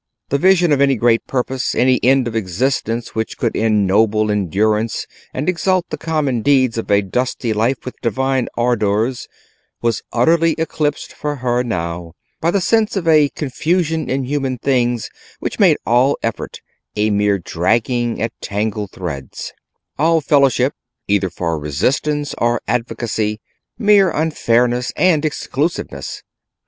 The vision of any great purpose, any end of existence which could ennoble endurance and exalt the common deeds of a dusty life with divine ardours, was utterly eclipsed for her now by the sense of a confusion in human things which made all effort a mere dragging at tangled threads; all fellowship, either for resistance or advocacy, mere unfairness and exclusiveness.